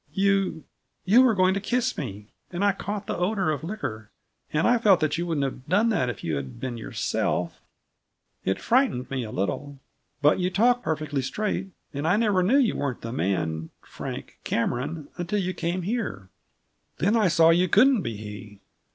You you were going to kiss me, and I caught the odor of liquor, and I felt that you wouldn't have done that if you had been yourself; it frightened me, a little. But you talked perfectly straight, and I never knew you weren't the man Frank Cameron until you came here. Then I saw you couldn't be he.